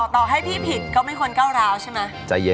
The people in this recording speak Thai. ต่อให้พี่ผิดก็ไม่ควรก้าวร้าวใช่ไหม